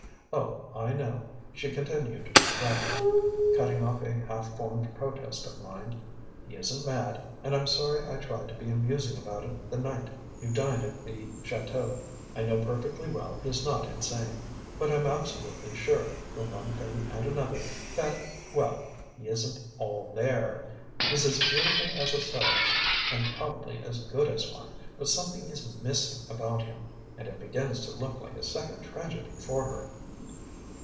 Oh I know," she continued rapidly, cutting off a half formed protest of mine. "He isn't mad and I'm sorry I tried to be amusing about it the night you dined at the chateau. I know perfectly well he's not insane; but I'm absolutely sure, from one thing and another, that well he isn't ALL THERE! He's as beautiful as a seraph and probably as good as one, but something is MISSING about him and it begins to look like a second tragedy for her."